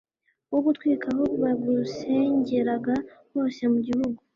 wo gutwika aho bagusengeraga hose mu gihugu